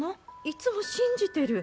いつも信じてる。